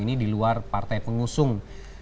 ini di luar partai pengusung